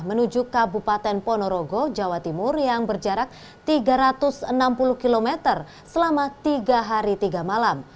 menuju kabupaten ponorogo jawa timur yang berjarak tiga ratus enam puluh km selama tiga hari tiga malam